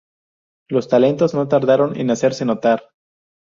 Los talentos no tardaron en hacerse notar.